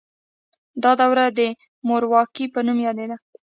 دا دوره د مورواکۍ په نوم یادیده.